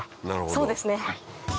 そうですね。